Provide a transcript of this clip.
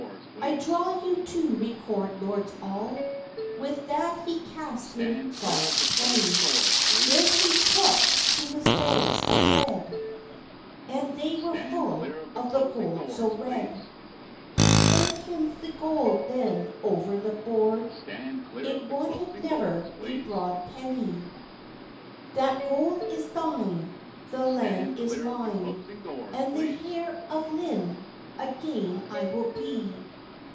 "I draw you to recorde, lords all:" With that he cast him god's penny; Then he tooke to his bags of bread, And they were full of the gold so red. He told him the gold then over the borde It wanted never a broad pennye; "That gold is thine, the land is mine, And the heire of Lynne againe I will bee."